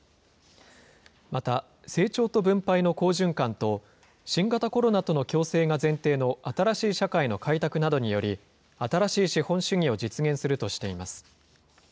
また成長と分配の好循環と新型コロナとの共生が前提の新しい社会の開拓などにより、新しい資本主義を実現するとしています。